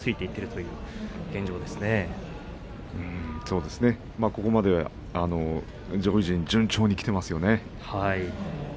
そうですね、ここまで上位陣、順調にきてますよね。